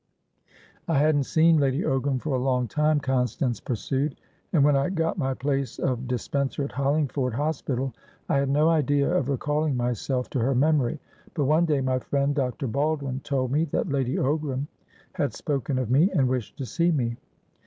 "I hadn't seen Lady Ogram for a long time," Constance pursued, "and when I got my place of dispenser at Hollingford hospital, I had no idea of recalling myself to her memory. But one day my friend Dr. Baldwin told me that Lady Ogram had spoken of me, and wished to see me.